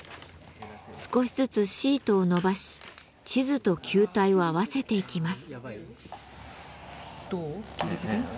少しずつシートを伸ばし地図と球体を合わせていきます。